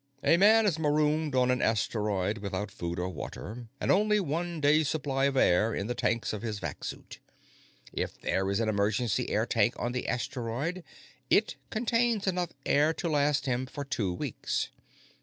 "A man is marooned on an asteroid without food or water and only one day's supply of air in the tanks of his vac suit. If there is an emergency air tank on the asteroid, it contains enough air to last him for two weeks.